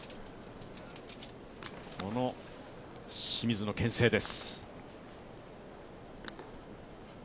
この清水のけん制です。